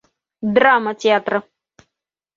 Драма театры